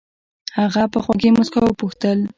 هغې په خوږې موسکا وپوښتل.